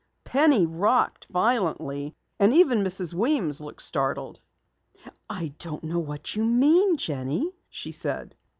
Penny rocked violently and even Mrs. Weems looked startled. "I don't know what you mean, Jenny," she said.